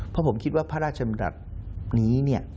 เพราะผมคิดว่าพระราชจริยวัตรนี้